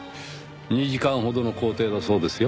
２時間ほどの行程だそうですよ。